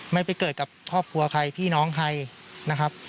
ไม่ไปเกิดกับครอบครัวใครพี่น้องใครนะครับ